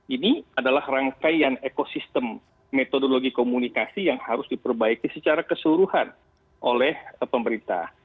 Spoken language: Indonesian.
ini adalah rangkaian ekosistem metodologi komunikasi yang harus diperbaiki secara keseluruhan oleh pemerintah